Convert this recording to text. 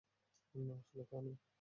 না, আসলে তা নয়।